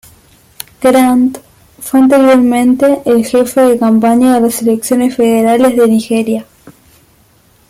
Gant fue anteriormente el jefe de campaña de las elecciones federales de Nigeria.